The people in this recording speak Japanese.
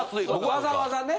わざわざね。